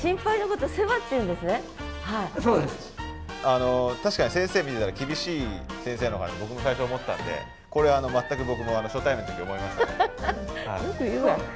あの確かに先生見てたら厳しい先生なのかと僕も最初思ったんでこれ全く僕も初対面の時思いましたね。